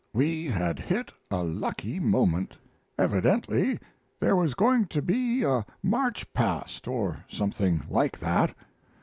We had hit a lucky moment, evidently there was going to be a march past or some thing like that.